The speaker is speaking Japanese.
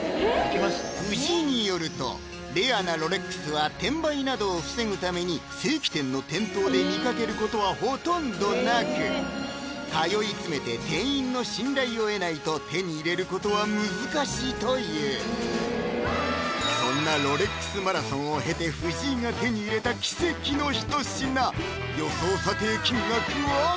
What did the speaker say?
藤井によるとレアなロレックスは転売などを防ぐために正規店の店頭で見かけることはほとんどなく通い詰めて店員の信頼を得ないと手に入れることは難しいというそんなロレックスマラソンを経て予想査定金額は？